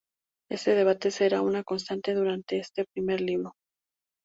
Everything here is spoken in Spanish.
Este debate será una constante durante este primer libro.